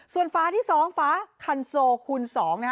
ส่วนฟ้าที่๒ฟ้าคันโซคูณ๒นะฮะ